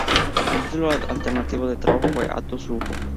El título alternativo de trabajo fue "A to Zoo".